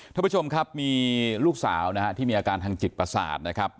ท่านผู้ชมครับมีลูกสาวนะฮะที่มีอาการทางจิตประสาทนะครับ